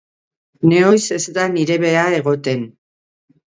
Nehoiz ez da nire beha egoten.